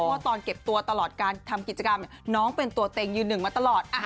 เพราะว่าตอนเก็บตัวตลอดการทำกิจกรรมน้องเป็นตัวเต็งยืนหนึ่งมาตลอด